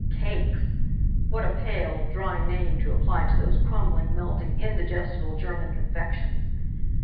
Cakes! What a pale; dry name to apply to those crumbling, melting, indigestible German confections!